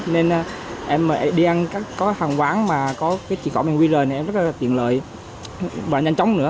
nên em đi ăn có hàng quán mà có cái chỉ còn bằng qr này em rất là tiện lợi và nhanh chóng nữa